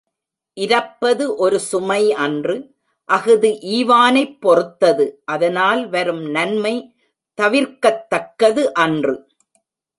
இரப்பது ஒரு சுமை அன்று அஃது ஈவானைப் பொறுத்தது அதனால் வரும் நன்மை தவிர்க்கத்தக்கது அன்று.